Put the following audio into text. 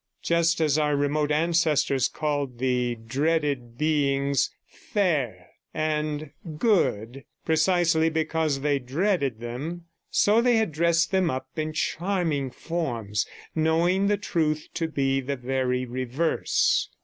Just as our remote ancestors called the dreaded beings 'fair' and 'good' precisely because they dreaded them, so they had dressed them up in charming forms, knowing the truth to be the very reverse.